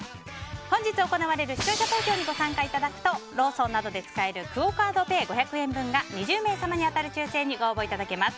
本日行われる視聴者投票にご参加いただくとローソンなどで使えるクオ・カードペイ５００円分が２０名様に当たる抽選にご応募いただけます。